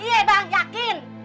iya bang yakin